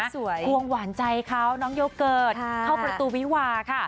ควงหวานใจเขาน้องโยเกิร์ตเข้าประตูวิวาค่ะ